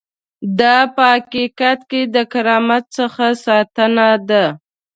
دا په حقیقت کې د کرامت څخه ساتنه ده.